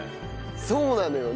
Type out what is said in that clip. そうなのよ。